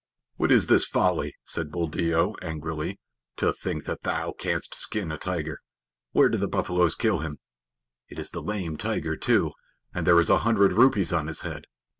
"What is this folly?" said Buldeo angrily. "To think that thou canst skin a tiger! Where did the buffaloes kill him? It is the Lame Tiger too, and there is a hundred rupees on his head.